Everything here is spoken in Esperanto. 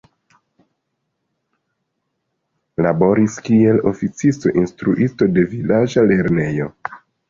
Laboris kiel oficisto, instruisto de vilaĝa lernejo.